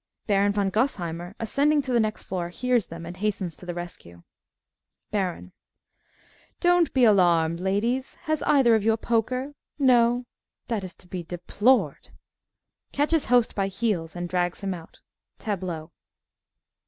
(Baron von Gosheimer, ascending to the next floor, hears them and hastens to the rescue.) BARON Don't be alarmed, ladies. Has either of you a poker? No? That is to be deplored. (Catches Host _by heels and drags him out. Tableau.